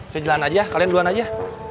saya jalan aja kalian duluan aja